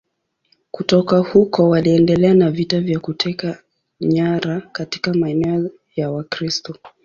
Kutoka huko waliendelea na vita za kuteka nyara katika maeneo ya Wakristo.